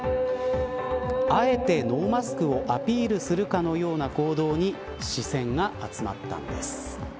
あえてノーマスクをアピールするかのような行動に視線が集まったんです。